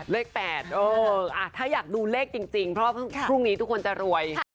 เลข๘ถ้าอยากดูเลขจริงเพราะว่าพรุ่งนี้ทุกคนจะรวย